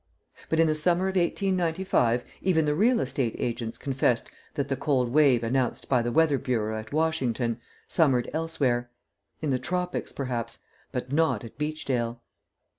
But in the summer of 1895 even the real estate agents confessed that the cold wave announced by the weather bureau at Washington summered elsewhere in the tropics, perhaps, but not at Beachdale.